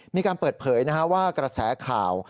มีการเปิดเผยว่ากระแสข่าว